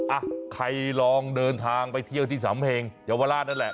อ่ะใครลองเดินทางไปเที่ยวที่สำเพ็งเยาวราชนั่นแหละ